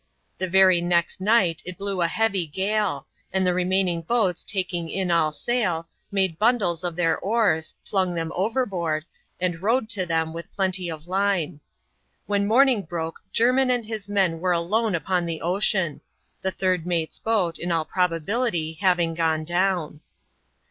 The very next night it blew a heavy £^ale; and the remaining boats taking m ^ «aSl) made bundles CHAP. XXV.] JJERMIN ENCOUNTERS AN OLD SHIPMATE. 97 of their oars, flung them overboard, and rode to them with plenty of line. When morning broke, Jermin and his men were alone upon the ocean ; the third mate's boat, in all proba bility, having gone down.